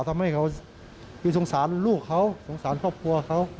ทำให้เขาคือสงสารลูกเขาสงสารครอบครัวเขา